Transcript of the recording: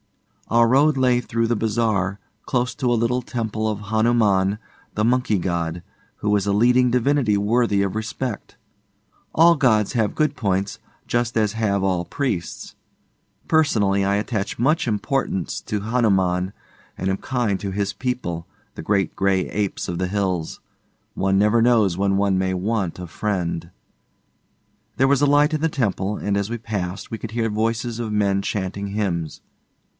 Our road lay through the bazaar, close to a little temple of Hanuman, the Monkey god, who is a leading divinity worthy of respect. All gods have good points, just as have all priests. Personally, I attach much importance to Hanuman, and am kind to his people the great gray apes of the hills. One never knows when one may want a friend. There was a light in the temple, and as we passed, we could hear voices of men chanting hymns.